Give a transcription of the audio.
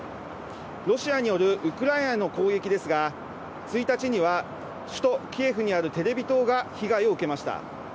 ロシアによるウクライナへの攻撃ですが、１日には、首都キエフにあるテレビ塔が被害を受けました。